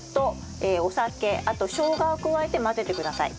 あとしょうがを加えて混ぜてください。